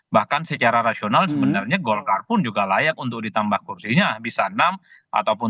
bahkan secara rasional sebenarnya golkar pun juga layak untuk ditambah kursinya bisa enam ataupun dua